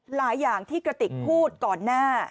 หลายอย่างที่กรณีกติกพูดก่อนหน้า